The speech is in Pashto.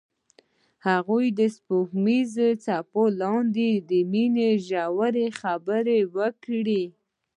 هغوی د سپوږمیز څپو لاندې د مینې ژورې خبرې وکړې.